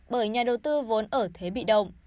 bởi nhà đầu tư vốn ở thế bị động